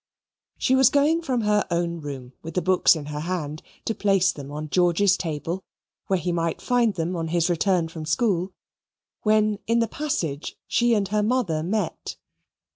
She was going from her own room with the books in her hand to place them on George's table, where he might find them on his return from school, when in the passage, she and her mother met.